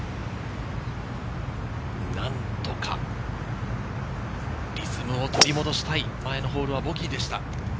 何とかリズムを取り戻したい、前のホールはボギーでした。